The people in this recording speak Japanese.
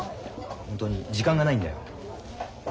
本当に時間がないんだよ。